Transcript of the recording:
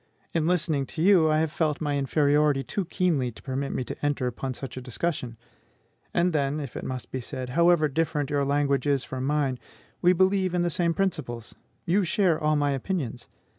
In listening to you, I have felt my inferiority too keenly to permit me to enter upon such a discussion. And then, if it must be said, however different your language is from mine, we believe in the same principles; you share all my opinions.